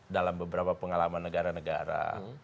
dalam beberapa pengalaman negara negara